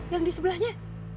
yang di sebelahnya